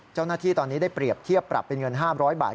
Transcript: เจ้าหน้าที่ตอนนี้ได้เปรียบเทียบปรับเป็นเงิน๕๐๐บาท